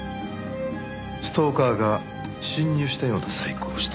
ストーカーが侵入したような細工をした。